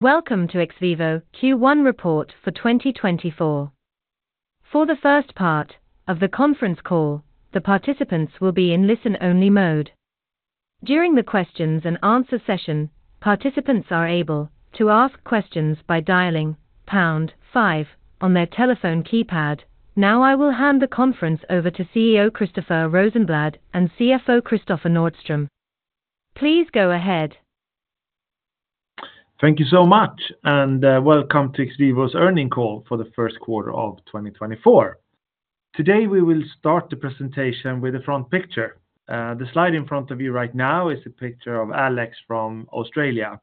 Welcome to XVIVO Q1 report for 2024. For the first part of the conference call, the participants will be in listen-only mode. During the questions and answer session, participants are able to ask questions by dialing pound five on their telephone keypad. Now, I will hand the conference over to CEO Christoffer Rosenblad and CFO Kristoffer Nordström. Please go ahead. Thank you so much, and welcome to XVIVO's earnings call for the first quarter of 2024. Today, we will start the presentation with the front picture. The slide in front of you right now is a picture of Alex from Australia.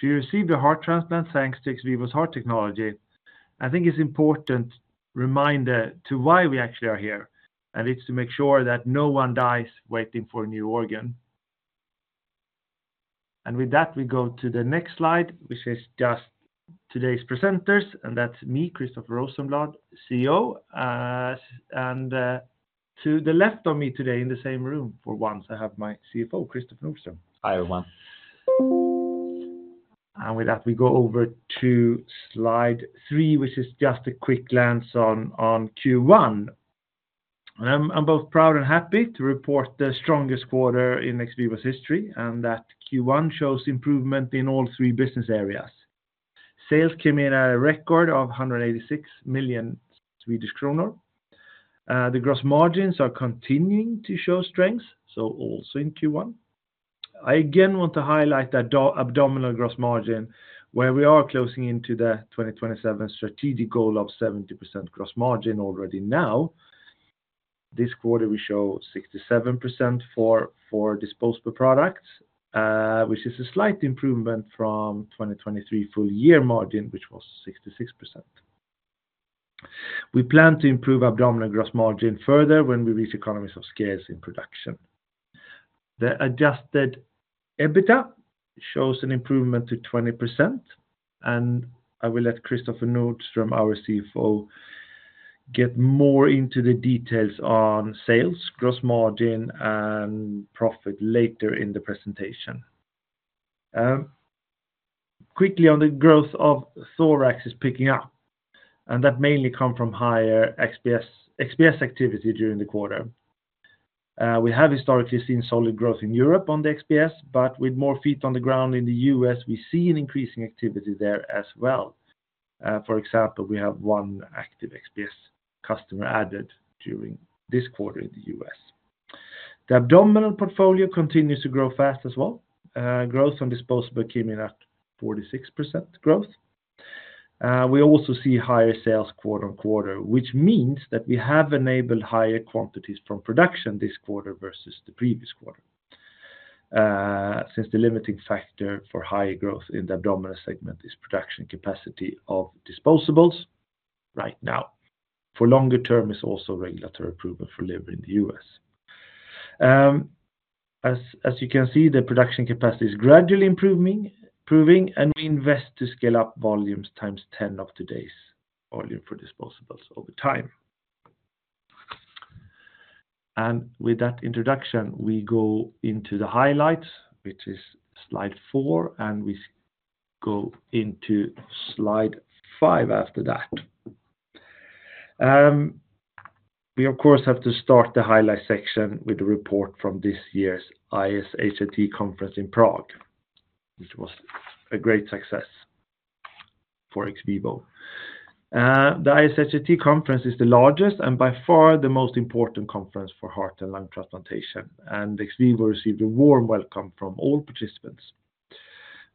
She received a heart transplant thanks to XVIVO's heart technology. I think it's important reminder to why we actually are here, and it's to make sure that no one dies waiting for a new organ. And with that, we go to the next slide, which is just today's presenters, and that's me, Christoffer Rosenblad, CEO, and to the left of me today in the same room for once, I have my CFO, Kristoffer Nordström. Hi, everyone. With that, we go over to slide three, which is just a quick glance on Q1. I'm both proud and happy to report the strongest quarter in XVIVO's history, and that Q1 shows improvement in all three business areas. Sales came in at a record of 186 million Swedish kronor. The gross margins are continuing to show strength, so also in Q1. I again want to highlight the abdominal gross margin, where we are closing in on the 2027 strategic goal of 70% gross margin already now. This quarter, we show 67% for disposable products, which is a slight improvement from 2023 full year margin, which was 66%. We plan to improve abdominal gross margin further when we reach economies of scale in production. The adjusted EBITDA shows an improvement to 20%, and I will let Kristoffer Nordström, our CFO, get more into the details on sales, gross margin, and profit later in the presentation. Quickly on the growth of thorax is picking up, and that mainly come from higher XPS, XPS activity during the quarter. We have historically seen solid growth in Europe on the XPS, but with more feet on the ground in the US, we see an increasing activity there as well. For example, we have one active XPS customer added during this quarter in the US. The abdominal portfolio continues to grow fast as well. Growth on disposable came in at 46% growth. We also see higher sales quarter-over-quarter, which means that we have enabled higher quantities from production this quarter versus the previous quarter. Since the limiting factor for high growth in the abdominal segment is production capacity of disposables right now. For longer term, it's also regulatory approval for delivery in the US. As you can see, the production capacity is gradually improving, and we invest to scale up volumes 10 times of today's volume for disposables over time. With that introduction, we go into the highlights, which is slide four, and we go into slide five after that. Of course, we have to start the highlight section with a report from this year's ISHLT conference in Prague, which was a great success for XVIVO. The ISHLT conference is the largest and by far the most important conference for heart and lung transplantation, and XVIVO received a warm welcome from all participants.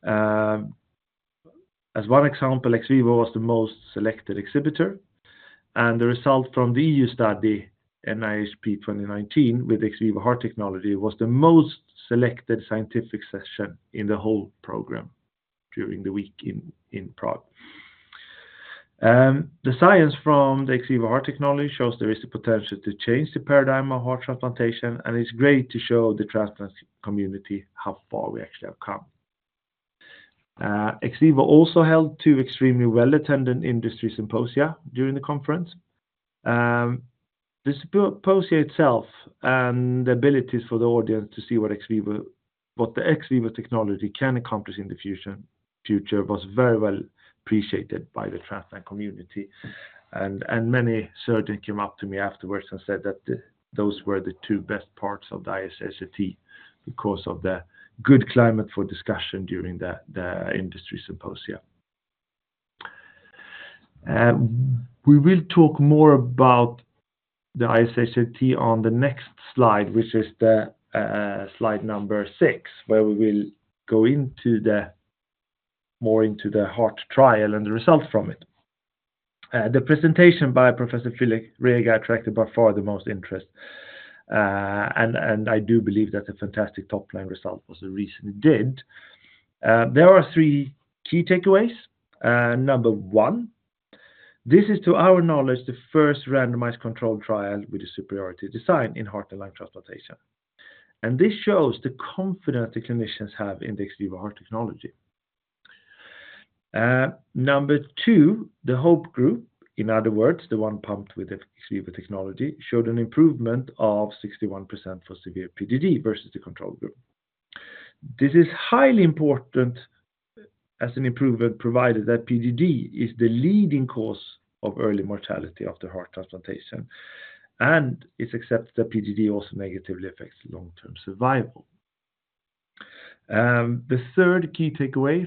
As one example, XVIVO was the most selected exhibitor, and the result from the EU study, NIHP 2019, with XVIVO heart technology, was the most selected scientific session in the whole program during the week in, in Prague. The science from the XVIVO heart technology shows there is the potential to change the paradigm of heart transplantation, and it's great to show the transplant community how far we actually have come. XVIVO also held two extremely well-attended industry symposia during the conference. The symposia itself and the abilities for the audience to see what XVIVO-- what the XVIVO technology can accomplish in the perfusion future was very well appreciated by the transplant community. Many surgeons came up to me afterwards and said that those were the two best parts of the ISHLT because of the good climate for discussion during the industry symposia. We will talk more about the ISHLT on the next slide, which is the slide number six, where we will go into more into the heart trial and the results from it. The presentation by Professor Filip Rega attracted by far the most interest, and I do believe that the fantastic top-line result was the reason it did. There are three key takeaways. Number one, this is, to our knowledge, the first randomized controlled trial with a superiority design in heart and lung transplantation. And this shows the confidence the clinicians have in the XVIVO heart technology. Number two, the HOPE group, in other words, the one pumped with the XVIVO technology, showed an improvement of 61% for severe PDD versus the control group. This is highly important as an improvement, provided that PDD is the leading cause of early mortality after heart transplantation, and it's accepted that PGD also negatively affects long-term survival. The third key takeaway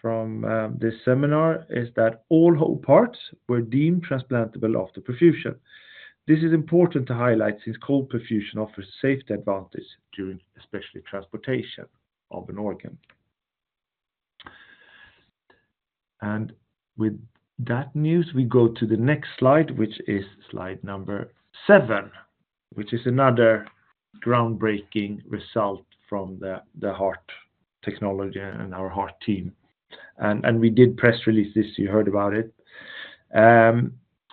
from this seminar is that all whole parts were deemed transplantable after perfusion. This is important to highlight since cold perfusion offers safety advantage during especially of an organ. And with that news, we go to the next slide, which is slide number seven, which is another groundbreaking result from the heart technology and our heart team. And we did press release this, you heard about it.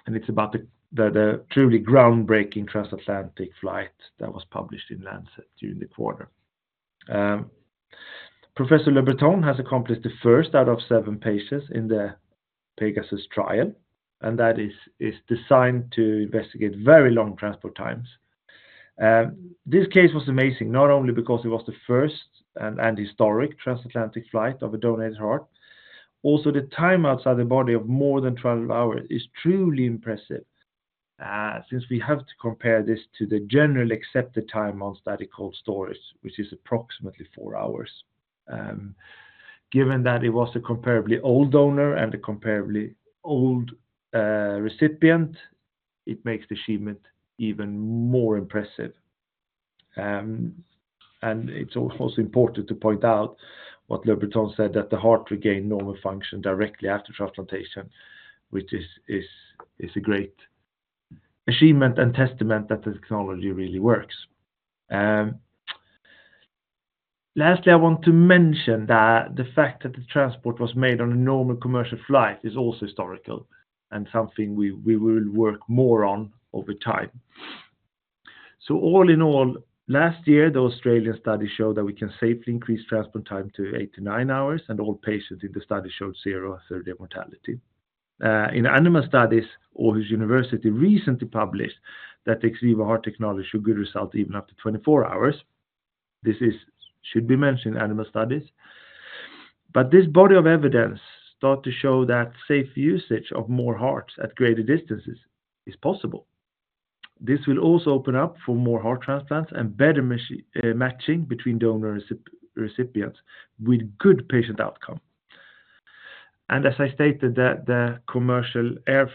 It's about the truly groundbreaking transatlantic flight that was published in Lancet during the quarter. Professor Lebreton has accomplished the first out of seven patients in the PEGASE trial, and that is designed to investigate very long transport times. This case was amazing, not only because it was the first and historic transatlantic flight of a donated heart, also, the time outside the body of more than 12 hours is truly impressive, since we have to compare this to the generally accepted time on static cold storage, which is approximately four hours. Given that it was a comparably old donor and a comparably old recipient, it makes the achievement even more impressive. And it's also important to point out what Lebreton said, that the heart regained normal function directly after transplantation, which is a great achievement and testament that the technology really works. Lastly, I want to mention that the fact that the transport was made on a normal commercial flight is also historical and something we will work more on over time. So all in all, last year, the Australian study showed that we can safely increase transport time to eight to nine hours, and all patients in the study showed zero third-day mortality. In animal studies, Aarhus University recently published that the ex vivo heart technology showed good result even after 24 hours. This is—should be mentioned, animal studies. But this body of evidence start to show that safe usage of more hearts at greater distances is possible. This will also open up for more heart transplants and better matching between donor and recipients, with good patient outcome. As I stated, that the commercial air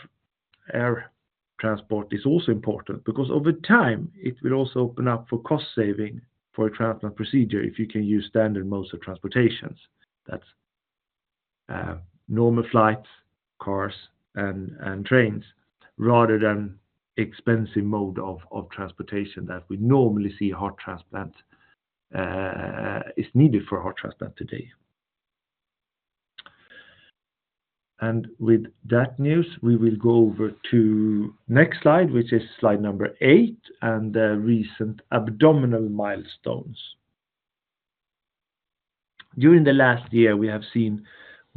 transport is also important because over time, it will also open up for cost saving for a transplant procedure if you can use standard modes of transportation. That's normal flights, cars, and trains, rather than expensive mode of transportation that we normally see a heart transplant is needed for a heart transplant today. And with that news, we will go over to next slide, which is slide number eight, and the recent abdominal milestones. During the last year, we have seen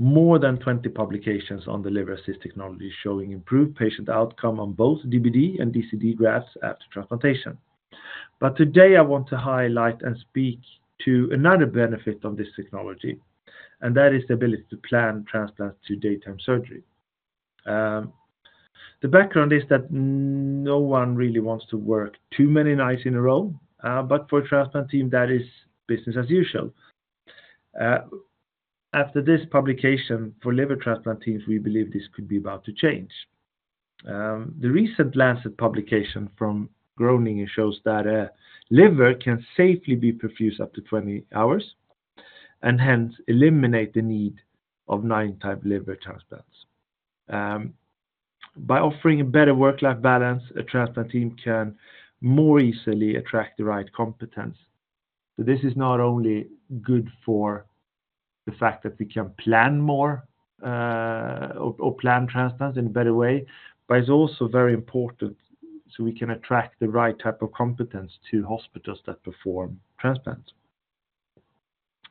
more than 20 publications on the Liver Assist technology, showing improved patient outcome on both DBD and DCD grafts after transplantation. Today, I want to highlight and speak to another benefit of this technology, and that is the ability to plan transplants to daytime surgery. The background is that no one really wants to work too many nights in a row, but for a transplant team, that is business as usual. After this publication for liver transplant teams, we believe this could be about to change. The recent Lancet publication from Groningen shows that a liver can safely be perfused up to 20 hours and hence eliminate the need of nighttime liver transplants. By offering a better work-life balance, a transplant team can more easily attract the right competence. So this is not only good for the fact that we can plan more, plan transplants in a better way, but it's also very important so we can attract the right type of competence to hospitals that perform transplants.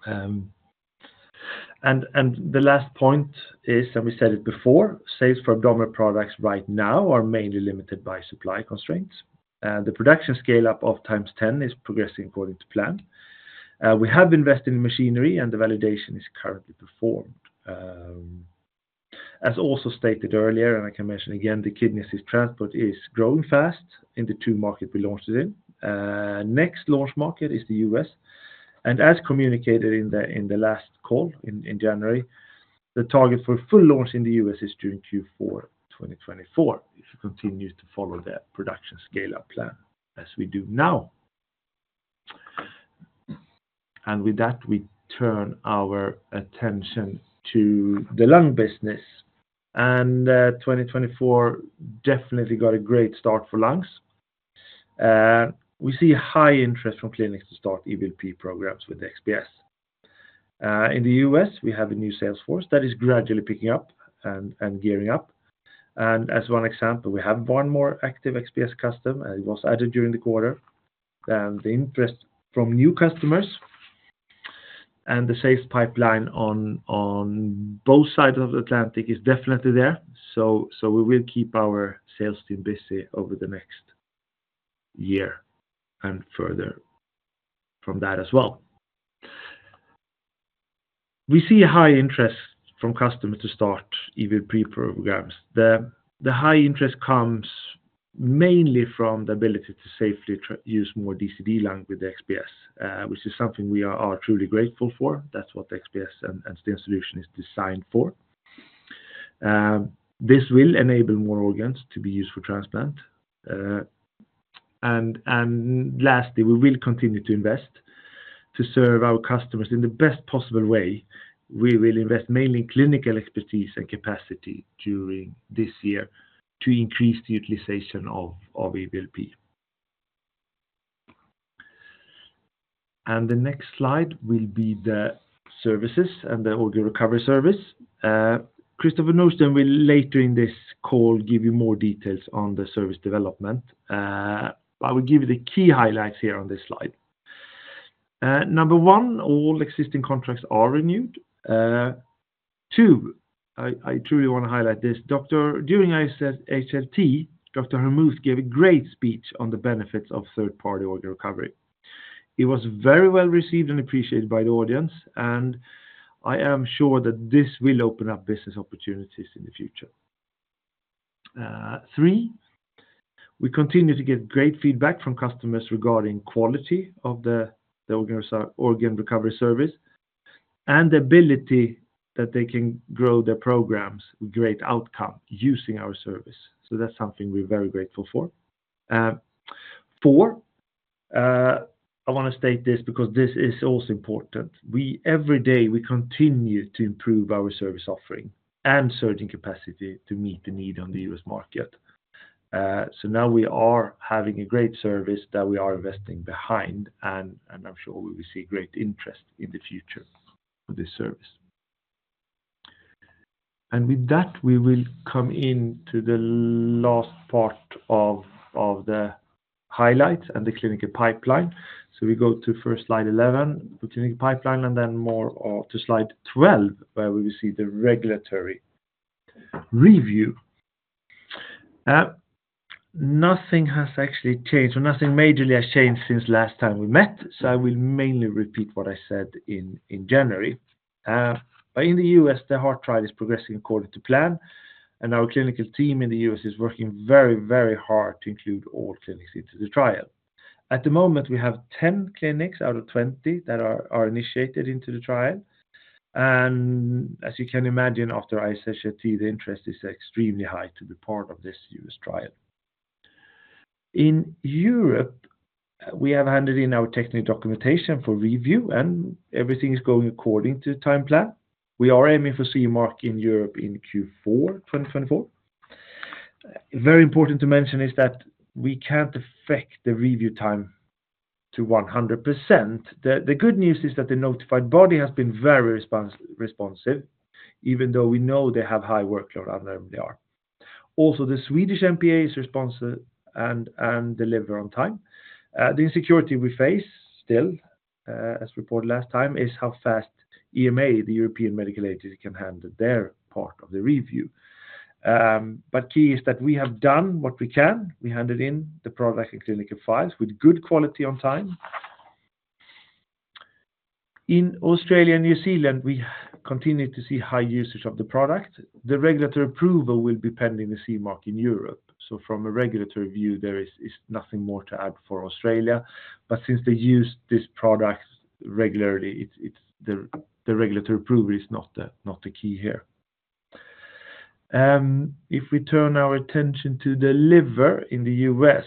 The last point is, and we said it before, sales for abdominal products right now are mainly limited by supply constraints, and the production scale-up of 10x is progressing according to plan. We have invested in machinery, and the validation is currently performed. As also stated earlier, and I can mention again, the Kidney Assist Transport is growing fast in the two markets we launched it in. Next launch market is US and as communicated in the last call in January, the target for full launch in the US is during Q4 2024. If you continue to follow the production scale-up plan as we do now. With that, we turn our attention to the lung business, and 2024 definitely got a great start for lungs. We see high interest from clinics to start EVLP programs with the XPS. In the US we have a new sales force that is gradually picking up and gearing up. And as one example, we have one more active XPS customer, and it was added during the quarter, and the interest from new customers, and the sales pipeline on both sides of the Atlantic is definitely there. So we will keep our sales team busy over the next year and further from that as well. We see high interest from customers to start EVLP programs. The high interest comes mainly from the ability to safely use more DCD lungs with the XPS, which is something we are truly grateful for. That's what the XPS and solution is designed for. This will enable more organs to be used for transplant. And lastly, we will continue to invest to serve our customers in the best possible way. We will invest mainly in clinical expertise and capacity during this year to increase the utilization of EVLP. The next slide will be the services and the organ recovery service. Kristoffer Nordström will later in this call give you more details on the service development. I will give you the key highlights here on this slide. Number one, all existing ontracts are renewed. Two, I truly wanna highlight this, doctor, during ISHLT, Dr. Hormuth gave a great speech on the benefits of third-party organ recovery. He was very well received and appreciated by the audience, and I am sure that this will open up business opportunities in the future. Three, we continue to get great feedback from customers regarding quality of the organ recovery service, and the ability that they can grow their programs with great outcome using our service. So that's something we're very grateful for. Four, I wanna state this because this is also important. We every day, we continue to improve our service offering and certain capacity to meet the need on the US market. So now we are having a great service that we are investing behind, and I'm sure we will see great interest in the future for this service. And with that, we will come into the last part of, of the highlights and the clinical pipeline. So we go to first slide 11, the clinical pipeline, and then more of to slide 12, where we will see the regulatory review. Nothing has actually changed, or nothing majorly has changed since last time we met, so I will mainly repeat what I said in, in January. But in the S the heart trial is progressing according to plan, and our clinical team in the U.S. is working very, very hard to include all clinics into the trial. At the moment, we have 10 clinics out of 20 that are, are initiated into the trial, and as you can imagine, after ISHLT, the interest is extremely high to be part of this US trial. In Europe, we have handed in our technical documentation for review, and everything is going according to time plan. We are aiming for CE mark in Europe in Q4 2024. Very important to mention is that we can't affect the review time to 100%. The good news is that the notified body has been very responsive, even though we know they have high workload on them, they are. Also, the Swedish MPA is responsive and delivered on time. The insecurity we face still, as reported last time, is how fast EMA, the European Medicines Agency, can handle their part of the review. But key is that we have done what we can. We handed in the product and clinical files with good quality on time. In Australia and New Zealand, we continue to see high usage of the product. The regulatory approval will be pending the CE mark in Europe. So from a regulatory view, there is nothing more to add for Australia. But since they use this product regularly, it's the regulatory approval is not the key here. If we turn our attention to the liver in the US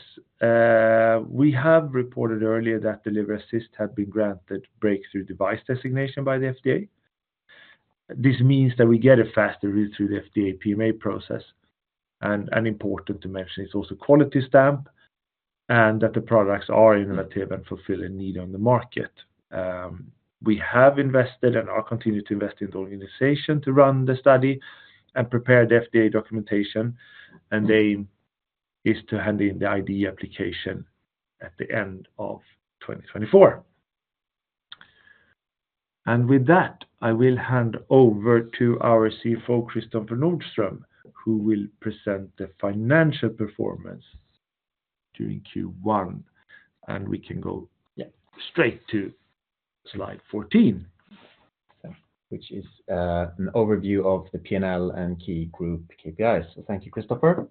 we have reported earlier that the Liver Assist had been granted breakthrough device designation by the FDA. This means that we get a faster route through the FDA PMA process, and important to mention, it's also quality stamp, and that the products are innovative and fulfill a need on the market. We have invested and are continuing to invest in the organization to run the study and prepare the FDA documentation, and the aim is to hand in the IDE application at the end of 2024. With that, I will hand over to our CFO, Kristoffer Nordström, who will present the financial performance during Q1, and we can go, yeah, straight to slide 14. Which is an overview of the P&L and key group KPIs. So thank you, Christoffer.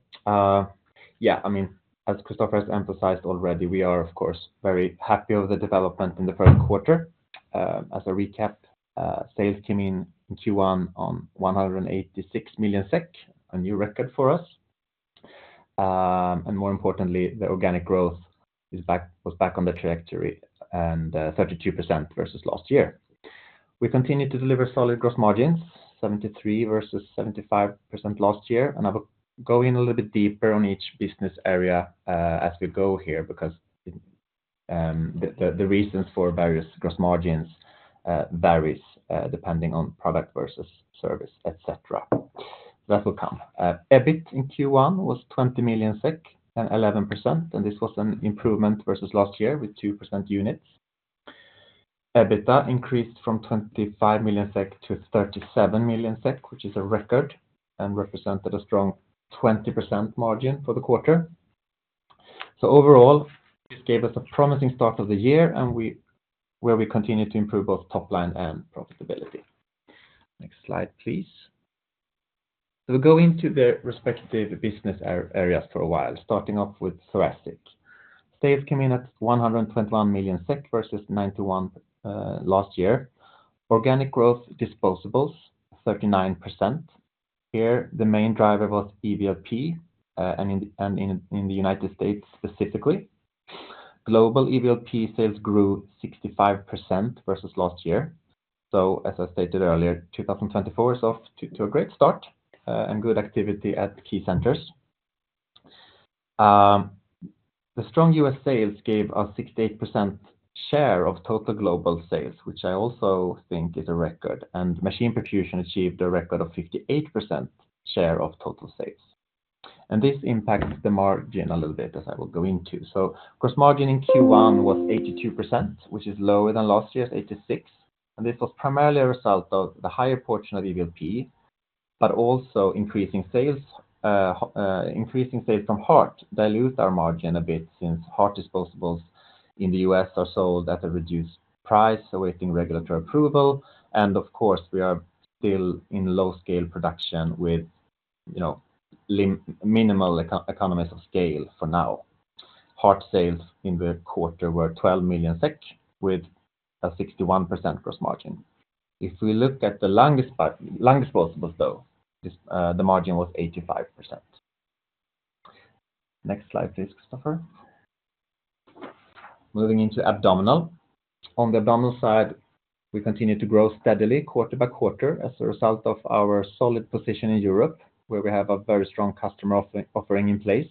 Yeah, I mean, as Christoffer has emphasized already, we are, of course, very happy over the development in the first quarter. As a recap, sales came in Q1 on 186 million SEK, a new record for us. And more importantly, the organic growth was back on the trajectory and 32% versus last year. We continued to deliver solid growth margins, 73% versus 75% last year. And I will go in a little bit deeper on each business area, as we go here, because the reasons for various gross margins varies depending on product versus service, et cetera. That will come. EBIT in Q1 was 20 million SEK and 11%, and this was an improvement versus last year with 2% units. EBITDA increased from 25 million-37 million SEK, which is a record, and represented a strong 20% margin for the quarter. So overall, this gave us a promising start of the year, and we where we continued to improve both top line and profitability. Next slide, please. We'll go into the respective business areas for a while, starting off with Thoracic. Sales came in at 121 million SEK versus 91 last year. Organic growth disposables, 39%. Here, the main driver was EVLP and in the United States, specifically. Global EVLP sales grew 65% versus last year. So as I stated earlier, 2024 is off to a great start, and good activity at key centers. The strong US sales gave us 68% share of total global sales, which I also think is a record, and machine perfusion achieved a record of 58% share of total sales. This impacts the margin a little bit, as I will go into. Gross margin in Q1 was 82%, which is lower than last year's 86%, and this was primarily a result of the higher portion of EVLP, but also increasing sales. Increasing sales from heart dilute our margin a bit since heart disposables in the US are sold at a reduced price, awaiting regulatory approval, and of course, we are still in low scale production with, you know, minimal economies of scale for now. Heart sales in the quarter were 12 million SEK, with a 61% gross margin. If we look at the lung disposables, though, the margin was 85%. Next slide, please, Christoffer. Moving into abdominal. On the abdominal side, we continued to grow steadily, quarter by quarter, as a result of our solid position in Europe, where we have a very strong customer offering in place.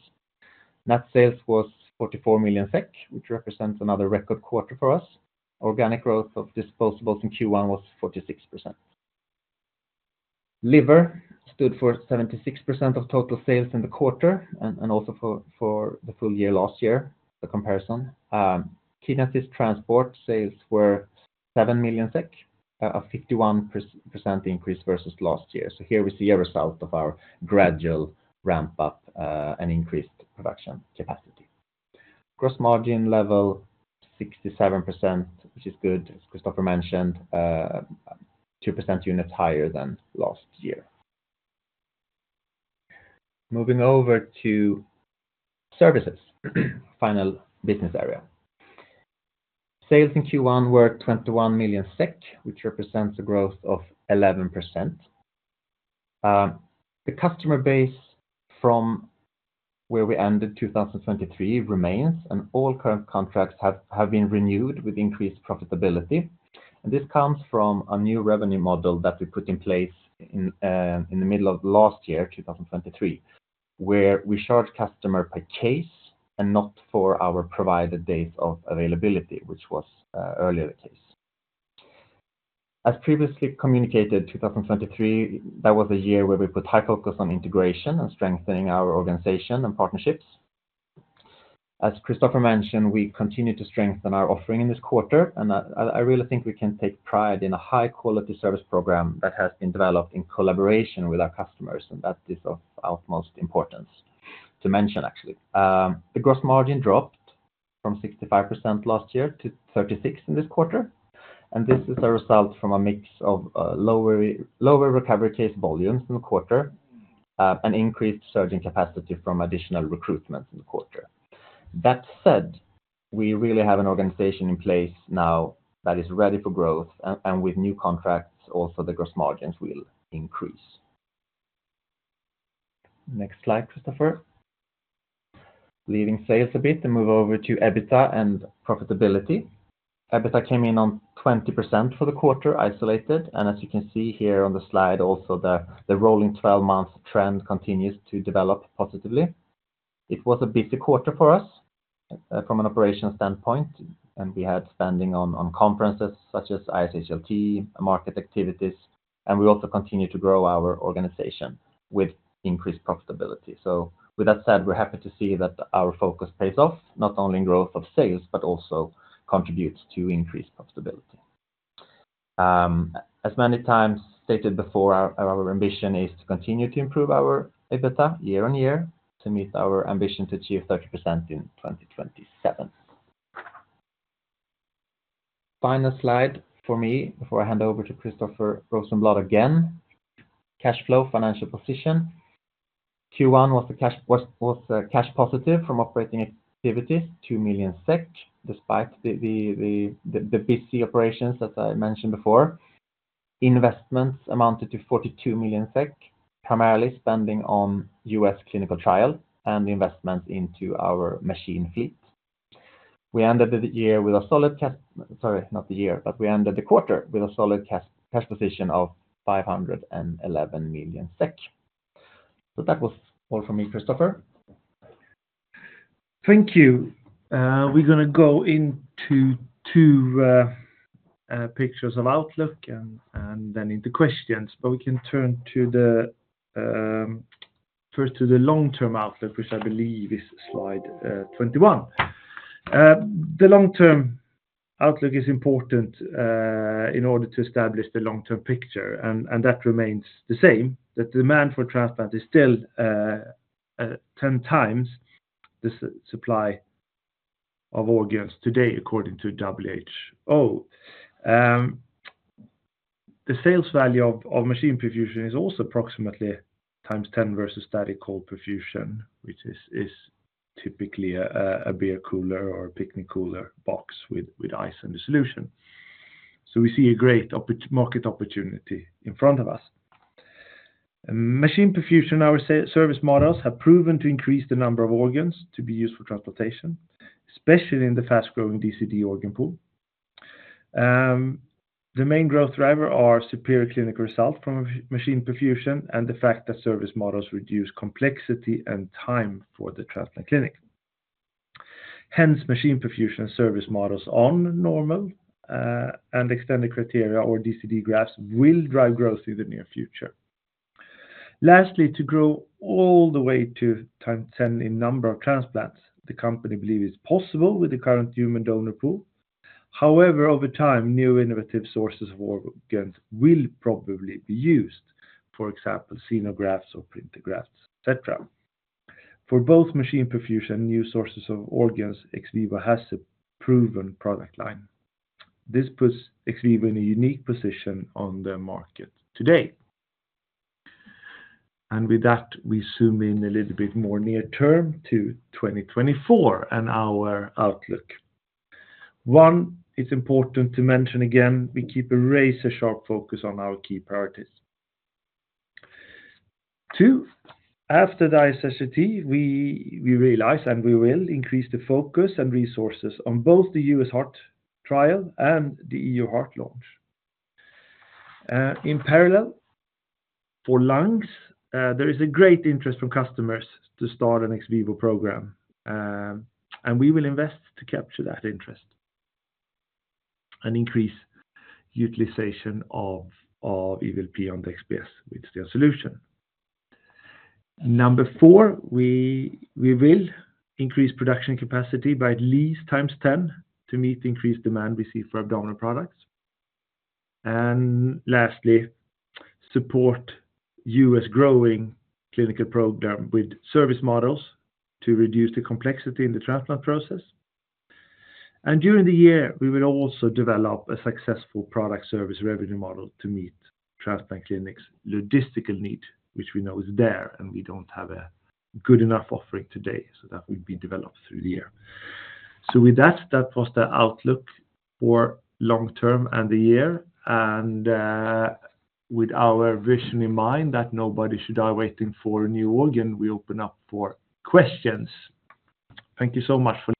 Net sales was 44 million SEK, which represents another record quarter for us. Organic growth of disposables in Q1 was 46%. Liver stood for 76% of total sales in the quarter and also for the full year last year, the comparison. Kidneys transport sales were 7 million SEK, a 51% increase versus last year. So here we see a result of our gradual ramp up and increased production capacity. Gross margin level, 67%, which is good, as Christoffer mentioned, 2% units higher than last year. Moving over to services, final business area. Sales in Q1 were 21 million SEK, which represents a growth of 11%. The customer base from where we ended 2023 remains, and all current contracts have, have been renewed with increased profitability. This comes from a new revenue model that we put in place in the middle of last year, 2023, where we charge customer per case and not for our provided days of availability, which was earlier the case. As previously communicated, 2023, that was the year where we put high focus on integration and strengthening our organization and partnerships. As Christoffer mentioned, we continued to strengthen our offering in this quarter, and I really think we can take pride in a high-quality service program that has been developed in collaboration with our customers, and that is of utmost importance to mention, actually. The gross margin dropped from 65% last year to 36% in this quarter, and this is a result from a mix of lower recovery case volumes in the quarter, and increased surgeon capacity from additional recruitment in the quarter. That said, we really have an organization in place now that is ready for growth, and with new contracts, also, the gross margins will increase. Next slide, Christoffer. Leaving sales a bit to move over to EBITDA and profitability. EBITDA came in on 20% for the quarter, isolated, and as you can see here on the slide, also, the rolling 12-month trend continues to develop positively. It was a busy quarter for us, from an operational standpoint, and we had spending on conferences such as ISHLT, market activities, and we also continued to grow our organization with increased profitability. So with that said, we're happy to see that our focus pays off, not only in growth of sales, but also contributes to increased profitability. As many times stated before, our ambition is to continue to improve our EBITDA year on year, to meet our ambition to achieve 30% in 2027. Final slide for me before I hand over to Christoffer Rosenblad again. Cash flow, financial position. Q1 was cash positive from operating activities, 2 million SEK, despite the busy operations, as I mentioned before. Investments amounted to 42 million SEK, primarily spending on US clinical trial and investments into our machine fleet. We ended the year with a solid cash... Sorry, not the year, but we ended the quarter with a solid cash position of 511 million SEK. So that was all for me, Christoffer. Thank you. We're gonna go into two pictures of outlook and then into questions, but we can turn to the-... First to the long-term outlook, which I believe is slide 21. The long-term outlook is important in order to establish the long-term picture, and that remains the same, that demand for transplant is still 10x the supply of organs today, according to WHO. The sales value of machine perfusion is also approximately 10x versus static cold perfusion, which is typically a beer cooler or a picnic cooler box with ice and a solution. So we see a great market opportunity in front of us. And machine perfusion and our service models have proven to increase the number of organs to be used for transportation, especially in the fast-growing DCD organ pool. The main growth driver are superior clinical results from machine perfusion, and the fact that service models reduce complexity and time for the transplant clinic. Hence, machine perfusion and service models on normal, and extended criteria or DCD grafts will drive growth in the near future. Lastly, to grow all the way to 10, 10 in number of transplants, the company believe is possible with the current human donor pool. However, over time, new innovative sources of organs will probably be used, for example, xenografts or printed grafts, et cetera. For both machine perfusion, new sources of organs, XVIVO has a proven product line. This puts XVIVO in a unique position on the market today. And with that, we zoom in a little bit more near term to 2024 and our outlook. One, it's important to mention again, we keep a razor-sharp focus on our key priorities. Two, after the ISHLT, we realize, and we will increase the focus and resources on both the US heart trial and the EU heart launch. In parallel, for lungs, there is a great interest from customers to start an XVIVO program, and we will invest to capture that interest and increase utilization of EVLP on the XPS with their solution. Number four, we will increase production capacity by at least 10x to meet the increased demand we see for abdominal products. Lastly, support US growing clinical program with service models to reduce the complexity in the transplant process. During the year, we will also develop a successful product service revenue model to meet transplant clinics' logistical need, which we know is there, and we don't have a good enough offering today, so that will be developed through the year. With that, that was the outlook for long term and the year. With our vision in mind that nobody should die waiting for a new organ, we open up for questions. Thank you so much for-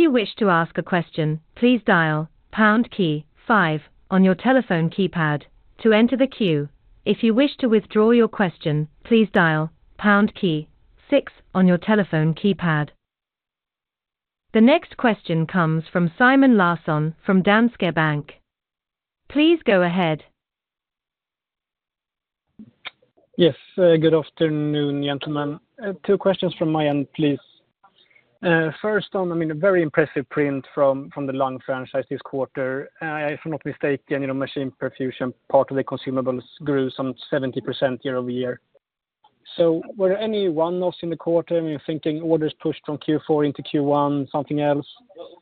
If you wish to ask a question, please dial pound key five on your telephone keypad to enter the queue. If you wish to withdraw your question, please dial pound key six on your telephone keypad. The next question comes from Simon Larsson from Danske Bank. Please go ahead. Yes, good afternoon, gentlemen. Two questions from my end, please. First on, I mean, a very impressive print from, from the lung franchise this quarter. If I'm not mistaken, you know, machine perfusion, part of the consumables grew some 70% year-over-year. So were any one loss in the quarter, I mean, thinking orders pushed from Q4 into Q1, something else,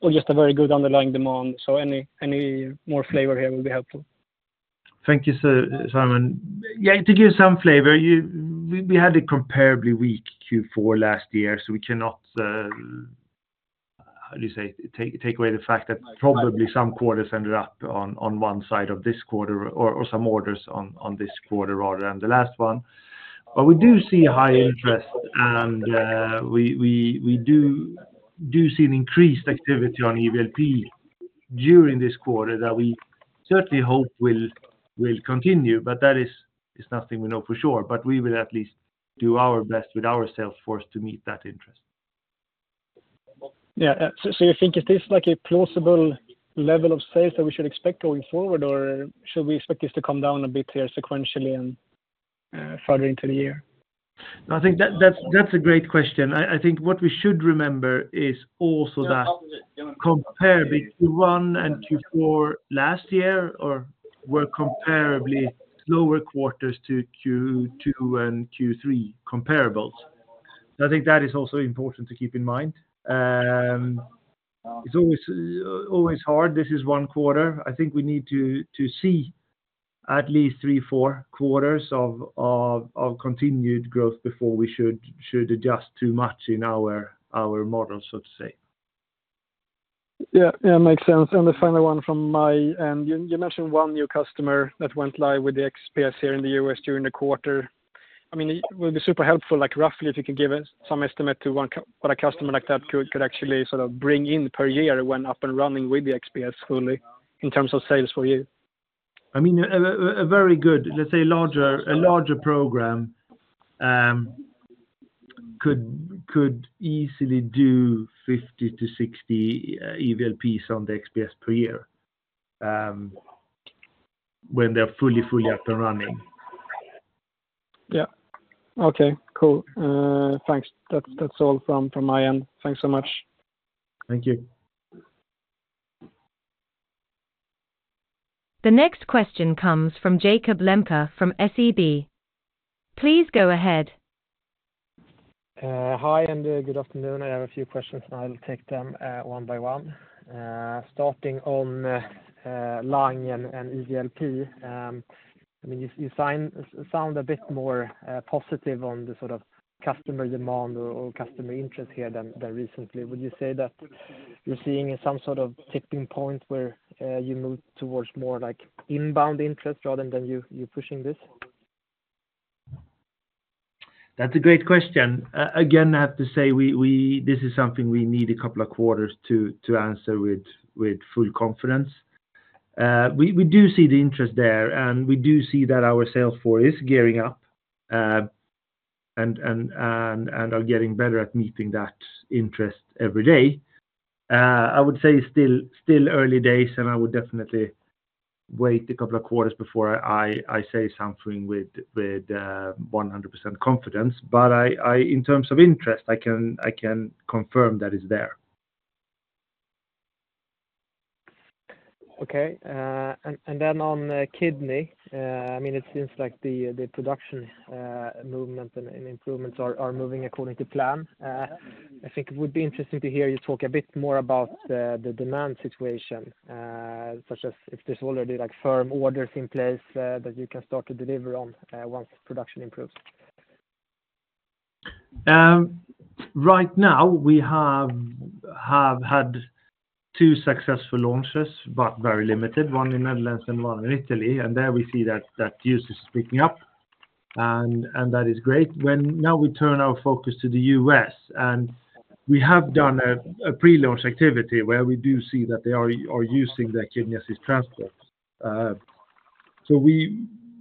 or just a very good underlying demand? So any, any more flavor here will be helpful. Thank you, sir, Simon. Yeah, to give some flavor, we had a comparably weak Q4 last year, so we cannot, how do you say, take away the fact that probably some quarters ended up on one side of this quarter or some orders on this quarter rather than the last one. But we do see a high interest, and we do see an increased activity on EVLP during this quarter that we certainly hope will continue, but that is nothing we know for sure. But we will at least do our best with our sales force to meet that interest. Yeah, so you think, is this like a plausible level of sales that we should expect going forward, or should we expect this to come down a bit here sequentially and further into the year? I think that's a great question. I think what we should remember is also that compare between Q1 and Q4 last year or were comparably lower quarters to Q2 and Q3 comparables. I think that is also important to keep in mind. It's always hard. This is one quarter. I think we need to see at least three, four quarters of continued growth before we should adjust too much in our model, so to say. Yeah, yeah, makes sense. And the final one from my end, you mentioned one new customer that went live with the XPS here in the US during the quarter. I mean, it will be super helpful, like, roughly, if you can give us some estimate to what a customer like that could actually sort of bring in per year when up and running with the XPS fully in terms of sales for you. I mean, a very good, let's say, a larger program could easily do 50 to 60 EVLPs on the XPS per year, when they're fully up and running. Yeah. Okay, cool. Thanks. That's, that's all from, from my end. Thanks so much. Thank you. The next question comes from Jacob Lembke, from SEB. Please go ahead. Hi, and good afternoon. I have a few questions, and I'll take them one by one. Starting on lung and EVLP. I mean, you sound a bit more positive on the sort of customer demand or customer interest here than recently. Would you say that you're seeing some sort of tipping point where you move towards more like inbound interest rather than you pushing this? That's a great question. Again, I have to say, we—this is something we need a couple of quarters to answer with full confidence. We do see the interest there, and we do see that our sales force is gearing up and are getting better at meeting that interest every day. I would say still early days, and I would definitely wait a couple of quarters before I say something with 100% confidence. But I—in terms of interest, I can confirm that it's there. Okay. And then on kidney, I mean, it seems like the production movement and improvements are moving according to plan. I think it would be interesting to hear you talk a bit more about the demand situation, such as if there's already, like, firm orders in place that you can start to deliver on once production improves. Right now, we have had two successful launches, but very limited, one in Netherlands and one in Italy, and there we see that that use is picking up, and that is great. When now we turn our focus to the US and we have done a pre-launch activity where we do see that they are using the Kidney Assist Transports. So,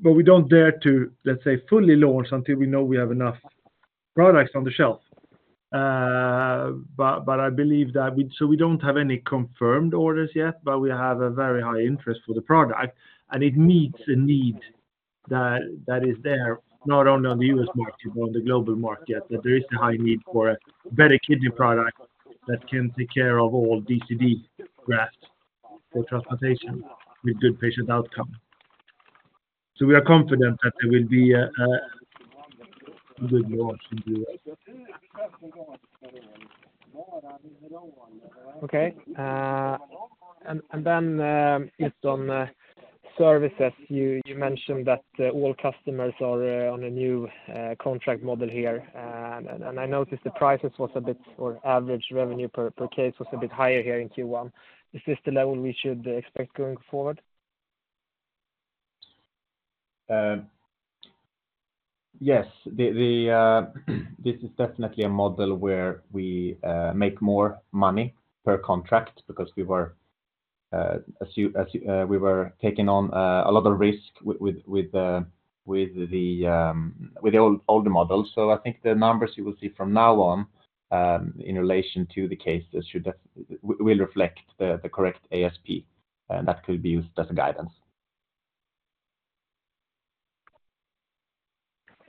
but we don't dare to, let's say, fully launch until we know we have enough products on the shelf. But I believe that we so we don't have any confirmed orders yet, but we have a very high interest for the product, and it meets a need that is there, not only on the US market, but on the global market, that there is a high need for a better kidney product that can take care of all DCD grafts for transplantation with good patient outcome. So we are confident that there will be a good launch in US. Okay, and then, just on services, you mentioned that all customers are on a new contract model here. And I noticed the prices was a bit-- or average revenue per case was a bit higher here in Q1. Is this the level we should expect going forward? Yes. This is definitely a model where we make more money per contract because we were taking on a lot of risk with the older model. So I think the numbers you will see from now on, in relation to the cases, should will reflect the correct ASP, and that could be used as a guidance.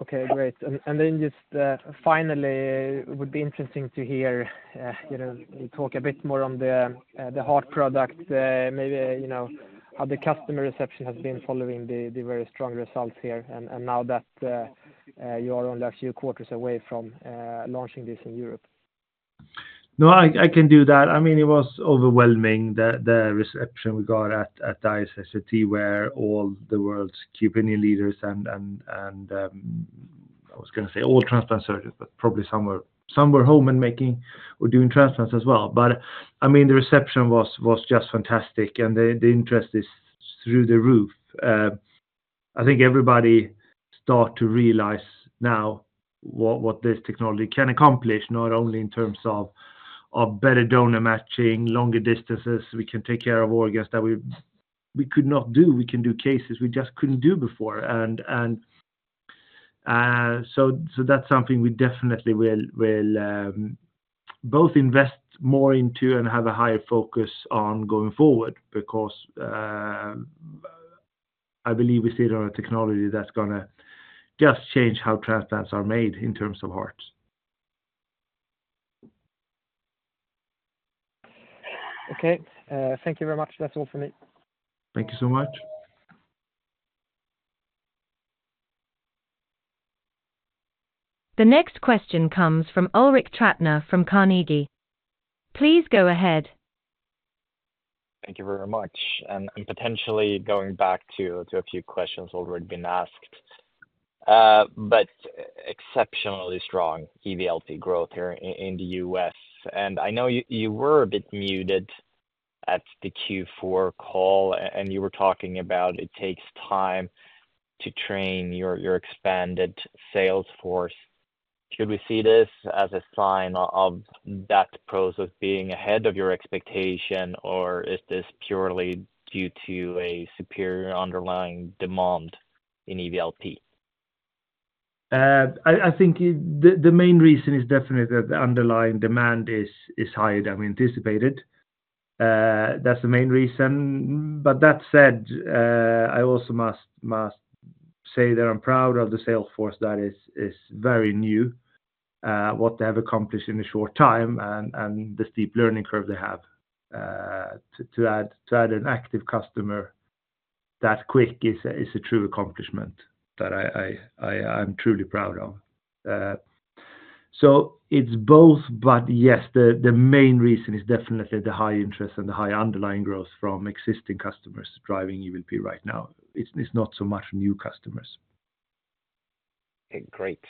Okay, great. And then just finally, it would be interesting to hear, you know, you talk a bit more on the heart products, maybe, you know, how the customer reception has been following the very strong results here, and now that you are only a few quarters away from launching this in Europe. No, I can do that. I mean, it was overwhelming, the reception we got at the ISHLT, where all the world's key opinion leaders and I was gonna say all transplant surgeons, but probably some were home and making or doing transplants as well. But, I mean, the reception was just fantastic, and the interest is through the roof. I think everybody start to realize now what this technology can accomplish, not only in terms of better donor matching, longer distances. We can take care of organs that we could not do. We can do cases we just couldn't do before. So that's something we definitely will both invest more into and have a higher focus on going forward, because I believe we sit on a technology that's gonna just change how transplants are made in terms of hearts. Okay, thank you very much. That's all for me. Thank you so much. The next question comes from Ulrik Trattner from Carnegie. Please go ahead. Thank you very much. And potentially going back to a few questions already been asked, but exceptionally strong EVLP growth here in the US, and I know you were a bit muted at the Q4 call, and you were talking about it takes time to train your expanded sales force. Should we see this as a sign of that process being ahead of your expectation, or is this purely due to a superior underlying demand... in EVLP? I think the main reason is definitely that the underlying demand is higher than we anticipated. That's the main reason, but that said, I also must say that I'm proud of the sales force that is very new, what they have accomplished in a short time and the steep learning curve they have. To add an active customer that quick is a true accomplishment that I'm truly proud of. So it's both, but yes, the main reason is definitely the high interest and the high underlying growth from existing customers driving EVLP right now. It's not so much new customers. Okay, great.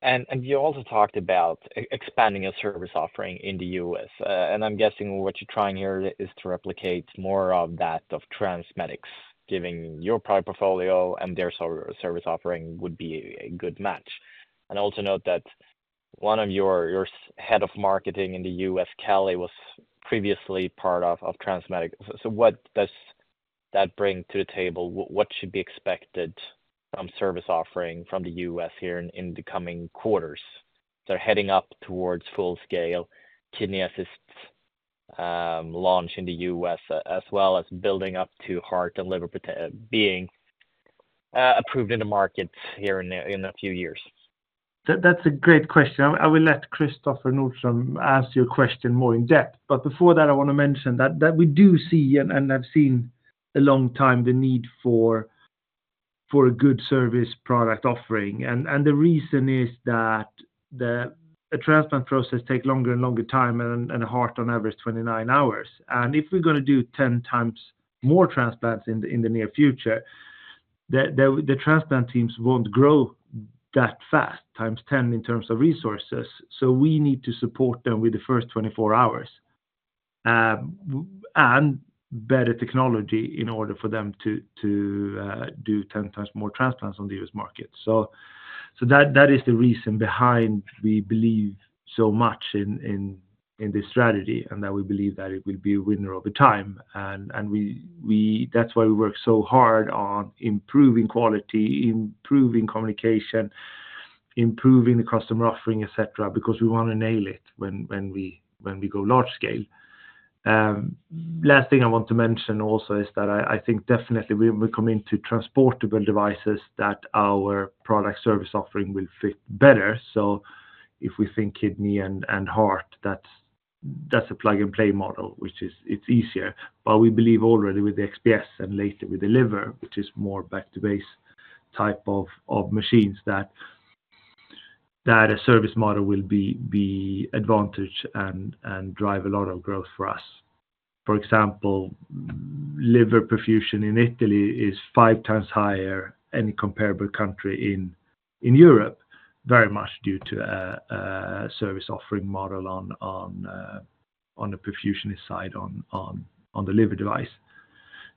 And you also talked about expanding your service offering in the US and I'm guessing what you're trying here is to replicate more of that of Transmedics, giving your product portfolio and their service offering would be a good match. And also note that one of your head of marketing in the US Kelly, was previously part of Transmedics. So what does that bring to the table? What should be expected from service offering from the US here in the coming quarters? They're heading up towards full-scale kidney assist launch in the US as well as building up to heart and liver potentially being approved in the market here in a few years. That's a great question. I will let Kristoffer Nordström answer your question more in depth. But before that, I wanna mention that we do see, and I've seen a long time, the need for a good service product offering. And the reason is that a transplant process take longer and longer time, and a heart on average, 29 hours. And if we're gonna do 10x more transplants in the near future, the transplant teams won't grow that fast, times 10 in terms of resources. So we need to support them with the first 24 hours, and better technology in order for them to do 10x more transplants on the US market. So that is the reason behind we believe so much in this strategy, and that we believe that it will be a winner over time. That's why we work so hard on improving quality, improving communication, improving the customer offering, et cetera, because we wanna nail it when we go large scale. Last thing I want to mention also is that I think definitely when we come into transportable devices, that our product service offering will fit better. So if we think kidney and heart, that's a plug-and-play model, which is easier. But we believe already with the XPS and later with the liver, which is more back to base type of machines, that a service model will be advantage and drive a lot of growth for us. For example, liver perfusion in Italy is five times higher than any comparable country in Europe, very much due to a service offering model on the perfusion side, on the liver device.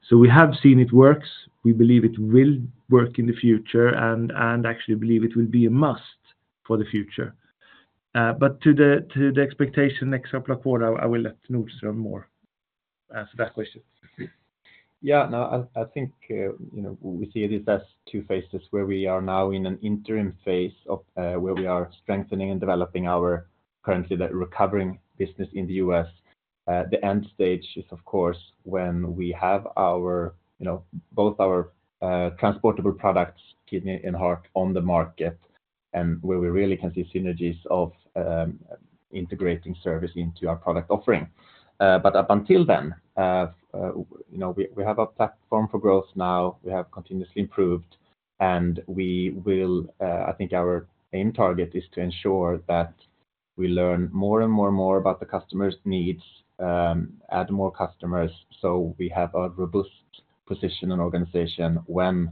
So we have seen it works. We believe it will work in the future, and actually believe it will be a must for the future. But to the expectation next couple of quarters, I will let Nordström answer that question more. Yeah, no, I think you know we see it as two phases where we are now in an interim phase of where we are strengthening and developing our currently the recovering business in the US. The end stage is, of course, when we have our, you know, both our transportable products, kidney and heart, on the market, and where we really can see synergies of integrating service into our product offering. But up until then, you know, we have a platform for growth now, we have continuously improved, and we will—I think our aim target is to ensure that we learn more and more and more about the customer's needs, add more customers, so we have a robust position and organization when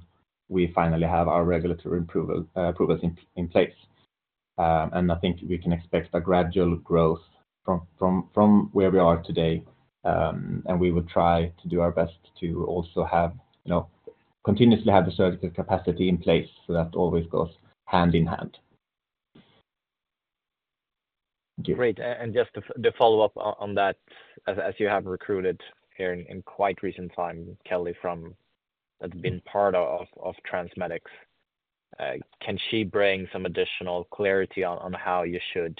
we finally have our regulatory approval, approvals in place. And I think we can expect a gradual growth from where we are today, and we will try to do our best to also have, you know, continuously have the service capacity in place so that always goes hand in hand. Great. And just the follow-up on that, as you have recruited here in quite recent time, Kelly, from—that's been part of Transmedics. Can she bring some additional clarity on how you should,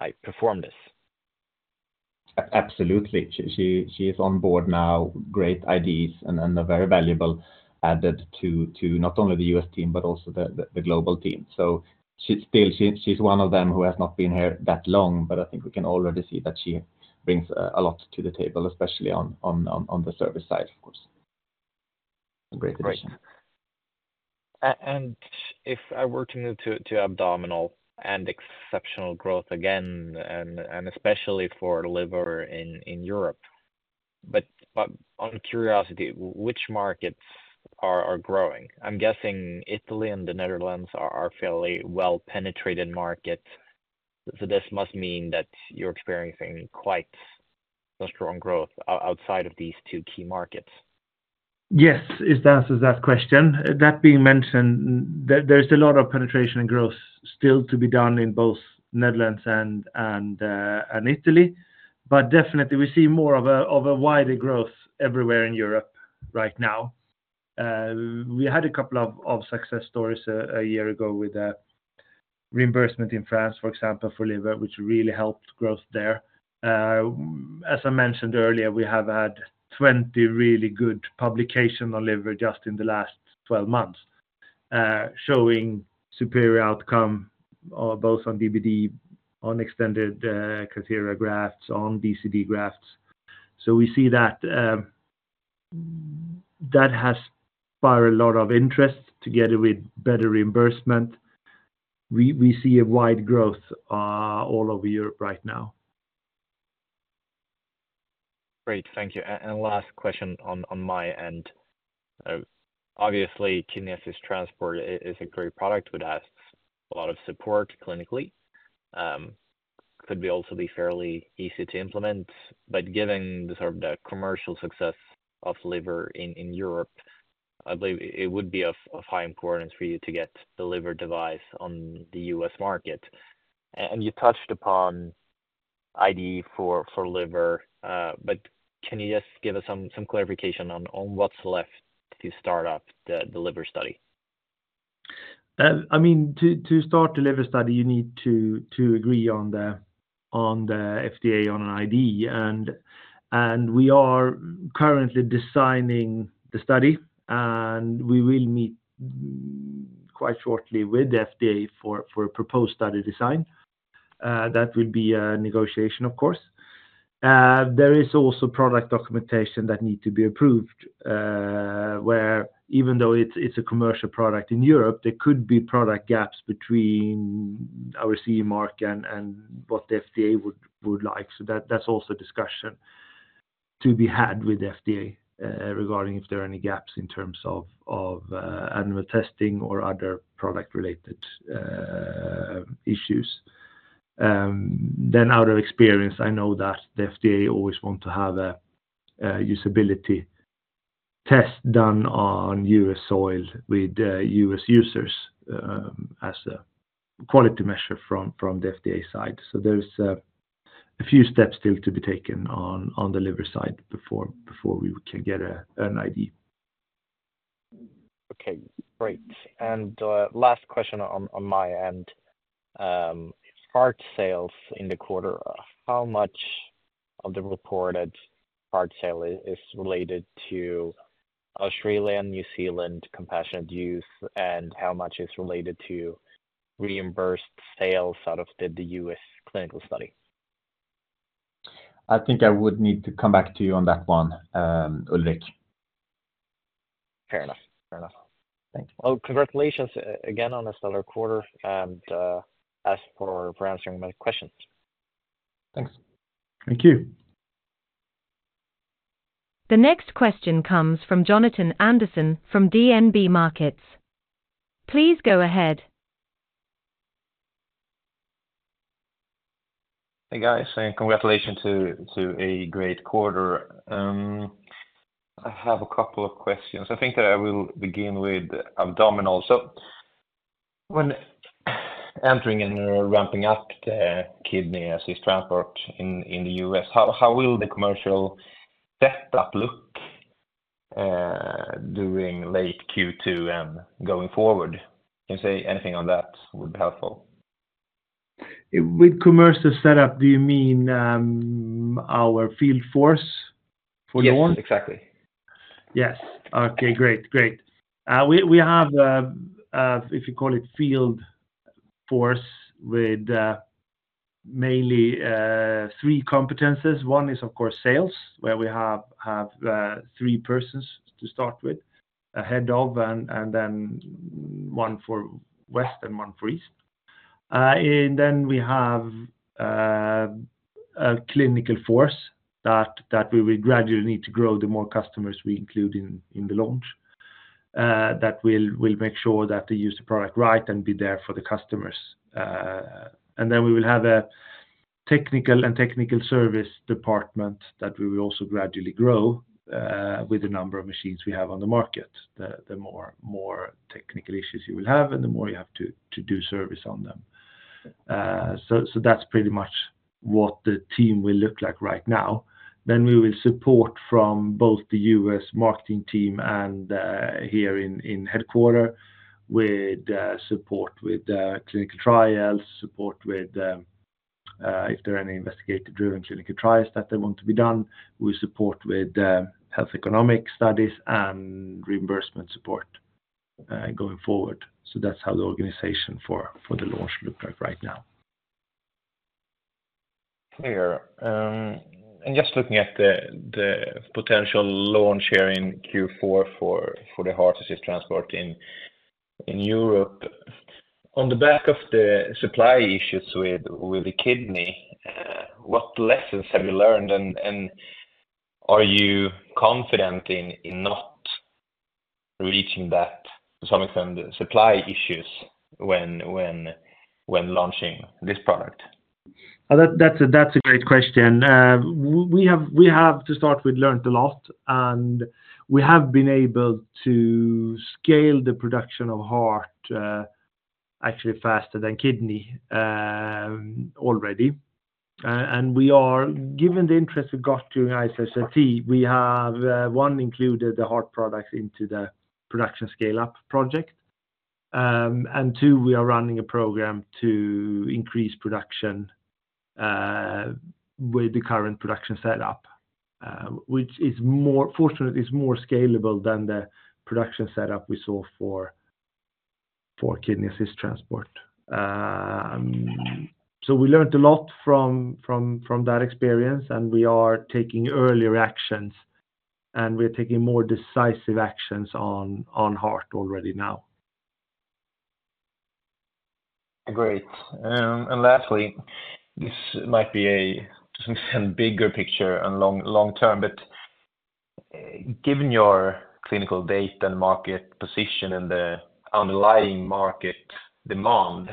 like, perform this? Absolutely. She is on board now, great ideas and a very valuable addition to not only the US team, but also the global team. So she's still, she's one of them who has not been here that long, but I think we can already see that she brings a lot to the table, especially on the service side, of course. Great. Great question. And if I were to move to abdominal and exceptional growth again, and especially for liver in Europe, but out of curiosity, which markets are growing? I'm guessing Italy and the Netherlands are fairly well penetrated markets, so this must mean that you're experiencing quite a strong growth outside of these two key markets. Yes, is the answer to that question. That being mentioned, there's a lot of penetration and growth still to be done in both Netherlands and Italy. But definitely we see more of a wider growth everywhere in Europe right now. We had a couple of success stories a year ago with reimbursement in France, for example, for liver, which really helped growth there. As I mentioned earlier, we have had 20 really good publications on liver just in the last 12 months, showing superior outcomes, both on DBD, on extended catheter grafts, on DCD grafts. So we see that that has sparked a lot of interest together with better reimbursement. We see a wide growth all over Europe right now. Great, thank you. And last question on my end. Obviously, Kidney Assist Transport isa great product, would have a lot of support clinically, could also be fairly easy to implement, but given the sort of the commercial success of liver in Europe, I believe it would be of high importance for you to get the liver device on the US market. And you touched upon IDE for liver, but can you just give us some clarification on what's left to start up the liver study? I mean, to start the liver study, you need to agree on the FDA, on an IDE, and we are currently designing the study, and we will meet quite shortly with the FDA for a proposed study design. That will be a negotiation, of course. There is also product documentation that need to be approved, where even though it's a commercial product in Europe, there could be product gaps between our CE mark and what the FDA would like. So that's also discussion to be had with the FDA, regarding if there are any gaps in terms of annual testing or other product related issues. Then out of experience, I know that the FDA always want to have a usability test done on US soil with US users, as a quality measure from the FDA side. So there's a few steps still to be taken on the liver side before we can get an IDE. Okay, great. Last question on my end. Heart sales in the quarter, how much of the reported heart sale is related to Australia and New Zealand compassionate use, and how much is related to reimbursed sales out of the US clinical study? I think I would need to come back to you on that one, Ulrik. Fair enough. Fair enough. Thank you. Well, congratulations, again, on this other quarter, and, as for answering my questions. Thanks. Thank you. The next question comes from Jonatan Andersson from DNB Markets. Please go ahead. Hey, guys, and congratulations to, to a great quarter. I have a couple of questions. I think that I will begin with abdominals. So when entering and ramping up the Kidney Assist Transport in, in the US, how, how will the commercial setup look during late Q2 and going forward? You can say anything on that would be helpful. With commercial setup, do you mean, our field force for launch? Yes, exactly. Yes. Okay, great, great. We have, if you call it field force with mainly three competencies. One is, of course, sales, where we have three persons to start with, a head of, and then one for West and one for East. And then we have a clinical force that we will gradually need to grow the more customers we include in the launch, that we'll make sure that they use the product right and be there for the customers. And then we will have a technical service department that we will also gradually grow with the number of machines we have on the market. The more technical issues you will have and the more you have to do service on them. So, that's pretty much what the team will look like right now. Then we will support from both the US marketing team and here in headquarters, with support with clinical trials, support with if there are any investigator-driven clinical trials that they want to be done, we support with health economic studies and reimbursement support, going forward. So that's how the organization for the launch look like right now. Clear. And just looking at the potential launch here in Q4 for the Heart Assist Transport in Europe. On the back of the supply issues with the kidney, what lessons have you learned, and are you confident in not reaching that, to some extent, supply issues when launching this product? That's a great question. We have to start with learned a lot, and we have been able to scale the production of heart, actually faster than kidney, already. And given the interest we've got during ISHLT, we have, one, included the heart products into the production scale-up project. And two, we are running a program to increase production, with the current production setup, which is, fortunately, more scalable than the production setup we saw for Kidney Assist Transport. So we learned a lot from that experience, and we are taking earlier actions, and we are taking more decisive actions on heart already now. Great. And lastly, this might be a bigger picture and long, long term, but, given your clinical data and market position and the underlying market demand,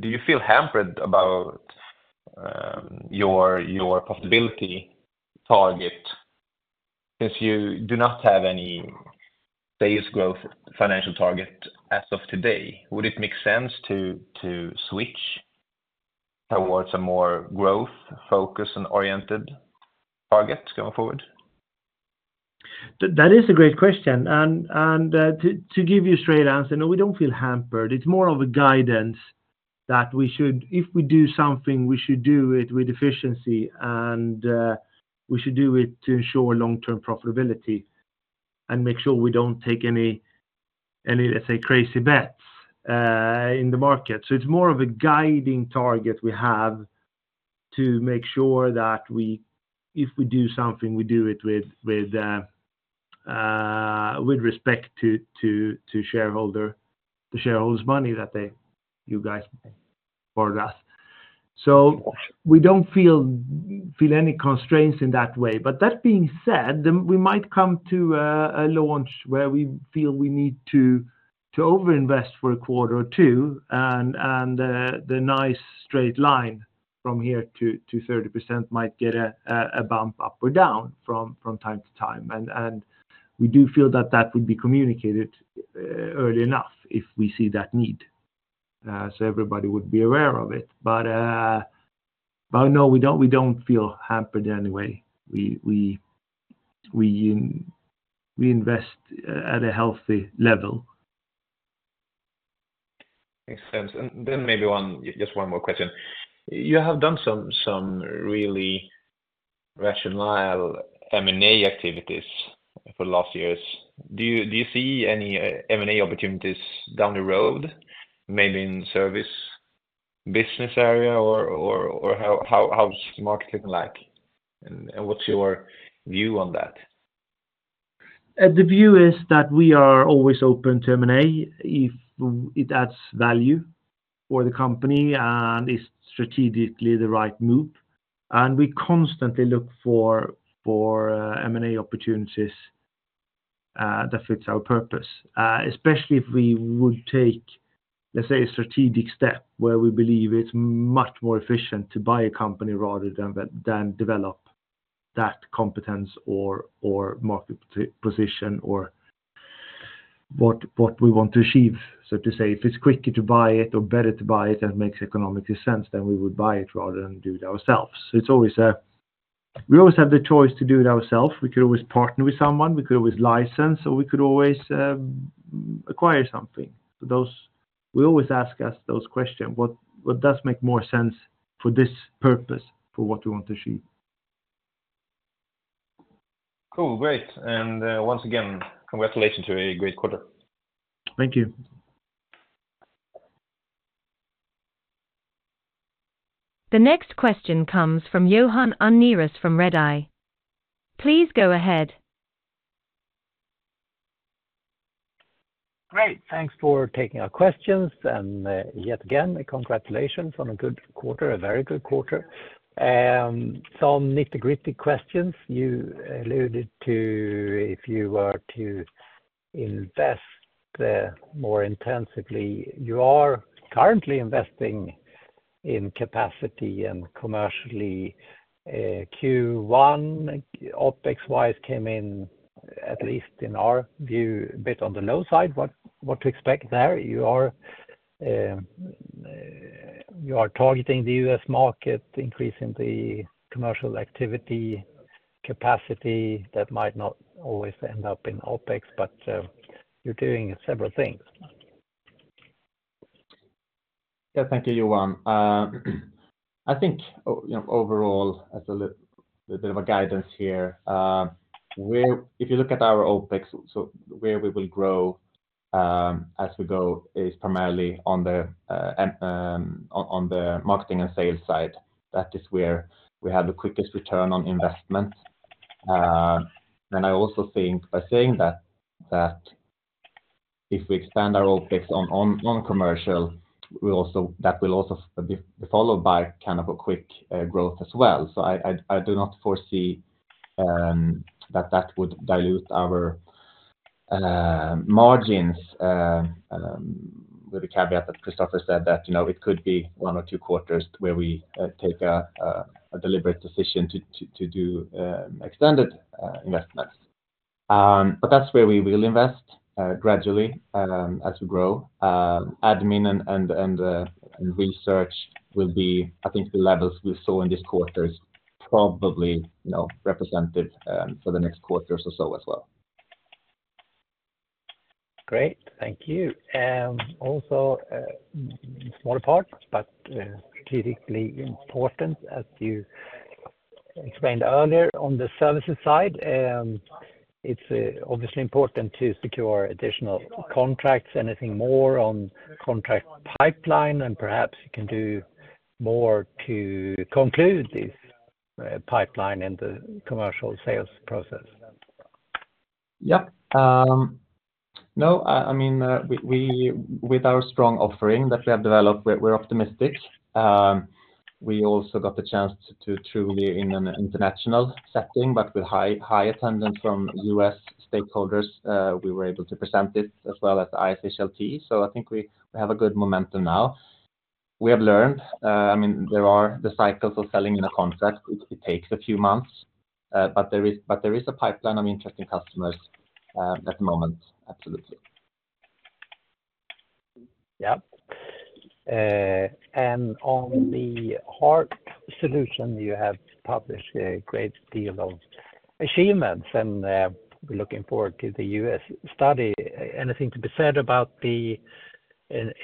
do you feel hampered about, your, your profitability target? If you do not have any sales growth financial target as of today, would it make sense to, to switch towards a more growth-focused and oriented target going forward? That is a great question, and to give you a straight answer, no, we don't feel hampered. It's more of a guidance that we should if we do something, we should do it with efficiency, and we should do it to ensure long-term profitability and make sure we don't take any, let's say, crazy bets in the market. So it's more of a guiding target we have to make sure that we if we do something, we do it with respect to the shareholders' money that they, you guys, borrowed us. So we don't feel any constraints in that way. But that being said, then we might come to a launch where we feel we need to overinvest for a quarter or two, and the nice straight line from here to 30% might get a bump up or down from time to time. And we do feel that that would be communicated early enough if we see that need, so everybody would be aware of it. But no, we don't feel hampered in any way. We invest at a healthy level. Makes sense. Then maybe one, just one more question. You have done some really rational M&A activities for the last years. Do you see any M&A opportunities down the road, maybe in service business area, or how's the market looking like, and what's your view on that? The view is that we are always open to M&A if it adds value for the company and is strategically the right move, and we constantly look for M&A opportunities that fits our purpose. Especially if we would take, let's say, a strategic step where we believe it's much more efficient to buy a company rather than develop that competence or market position or what we want to achieve. So to say, if it's quicker to buy it or better to buy it and makes economically sense, then we would buy it rather than do it ourselves. It's always we always have the choice to do it ourselves. We could always partner with someone, we could always license, or we could always acquire something. So we always ask us those questions: what does make more sense for this purpose, for what we want to achieve? Cool. Great. And, once again, congratulations on a great quarter. Thank you. The next question comes from Johan Unnérus from Redeye. Please go ahead. Great. Thanks for taking our questions, and yet again, congratulations on a good quarter, a very good quarter. Some nitty-gritty questions. You alluded to if you were to invest more intensively, you are currently investing in capacity and commercially, Q1, OpEx-wise, came in, at least in our view, a bit on the low side. What to expect there? You are targeting the US market, increasing the commercial activity capacity. That might not always end up in OpEx, but you're doing several things. Yeah. Thank you, Johan. I think, you know, overall, as a little bit of a guidance here, if you look at our OpEx, so where we will grow, as we go, is primarily on the marketing and sales side. That is where we have the quickest return on investment. Then I also think by saying that, that if we expand our OpEx on commercial, we also that will also be followed by kind of a quick growth as well. So I do not foresee that that would dilute our margins with the caveat that Christoffer said that, you know, it could be one or two quarters where we take a deliberate decision to do extended investments. But that's where we will invest gradually as we grow. Admin and research will be, I think, the levels we saw in this quarter is probably, you know, represented for the next quarter or so as well. Great. Thank you. Also, smaller part, but critically important, as you explained earlier on the services side, it's obviously important to secure additional contracts. Anything more on contract pipeline, and perhaps you can do more to conclude this pipeline in the commercial sales process? Yeah. No, I mean, with our strong offering that we have developed, we're optimistic. We also got the chance to truly in an international setting, but with high attendance from US stakeholders, we were able to present it as well as ISHLT. So I think we have a good momentum now. We have learned, I mean, there are the cycles of selling in a contract, it takes a few months, but there is a pipeline of interesting customers at the moment. Absolutely. Yeah. And on the heart solution, you have published a great deal of achievements, and we're looking forward to the US study. Anything to be said about the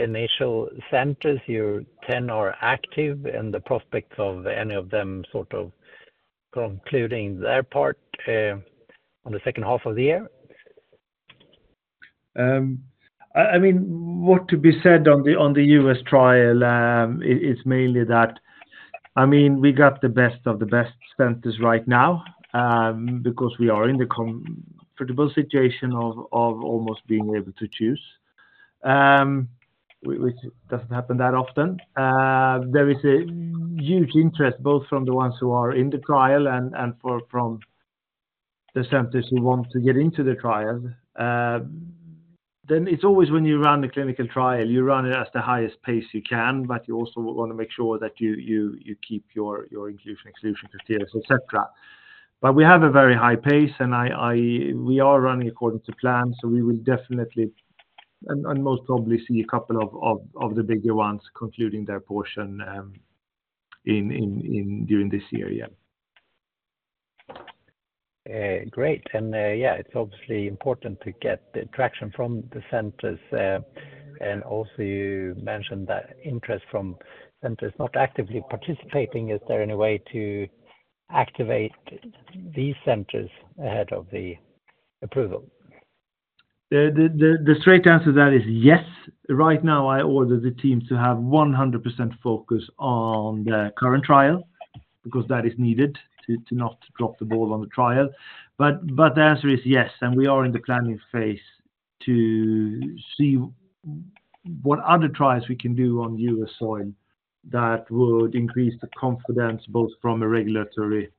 initial centers, your 10 are active, and the prospects of any of them sort of concluding their part on the second half of the year? I mean, what to be said on the, on the US trial, is mainly that... I mean, we got the best of the best centers right now, because we are in the comfortable situation of almost being able to choose, which doesn't happen that often. There is a huge interest, both from the ones who are in the trial and from the centers who want to get into the trial. Then it's always when you run the clinical trial, you run it at the highest pace you can, but you also want to make sure that you keep your inclusion, exclusion criteria, et cetera. But we have a very high pace, and we are running according to plan, so we will definitely and most probably see a couple of the bigger ones concluding their portion during this year. Yeah. Great. And, yeah, it's obviously important to get the traction from the centers. And also you mentioned that interest from centers not actively participating. Is there any way to activate these centers ahead of the approval? The straight answer to that is yes. Right now, I order the teams to have 100% focus on the current trial, because that is needed to not drop the ball on the trial. But the answer is yes, and we are in the planning phase to see what other trials we can do on US soil that would increase the confidence, both from a regulatory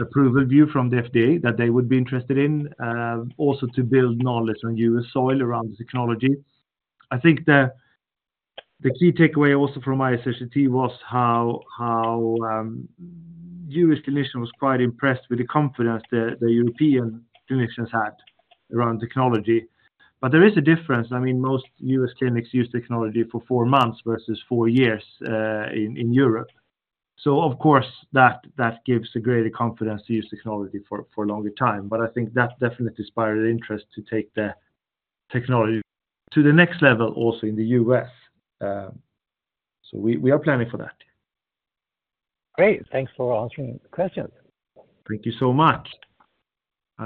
approval view from the FDA, that they would be interested in, also to build knowledge on US soil around the technology. I think the key takeaway also from ISHLT was how US clinician was quite impressed with the confidence the European clinicians had around technology. But there is a difference. I mean, most US clinics use technology for four months versus four years in Europe. So of course, that gives a greater confidence to use technology for a longer time. But I think that definitely spiral interest to take the technology to the next level also in the US So we are planning for that. Great. Thanks for answering the questions. Thank you so much.